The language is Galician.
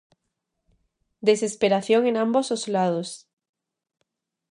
Desesperación en ambos os lados.